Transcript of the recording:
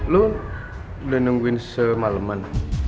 lo udah nungguin semaleman